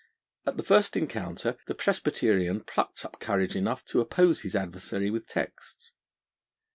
At the first encounter the Presbyterian plucked up courage enough to oppose his adversary with texts.